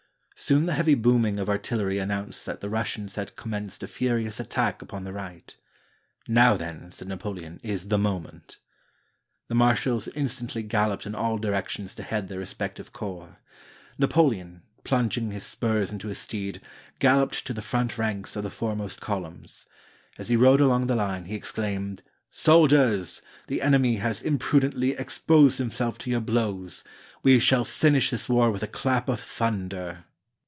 Soon the heavy booming of artillery announced that the Russians had commenced a furious attack upon the right. "Now, then," said Napoleon, "is the moment." The marshals instantly galloped in all directions to head their respective corps. Napoleon, plunging his spurs into his steed, galloped to the front ranks of the foremost columns. As he rode along the line, he exclaimed, "Sol diers! the enemy has imprudently exposed himself to your blows. We shall finish this war with a clap of thunder."